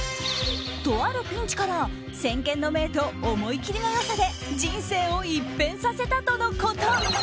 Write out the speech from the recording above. とあるピンチから先見の明と思い切りの良さで人生を一変させたとのこと。